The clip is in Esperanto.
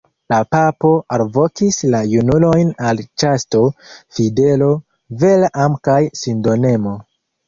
La papo alvokis la junulojn al ĉasto, fidelo, vera amo kaj sindonemo.